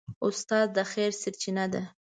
استاد د خیر سرچینه ده.